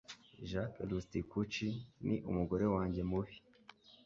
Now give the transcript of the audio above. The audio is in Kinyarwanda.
Jacques Rusticucci ni umugore wanjye mubi